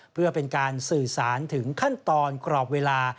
เพื่อเป็นการสื่อสารถึงขั้นตอนกรอบเวลา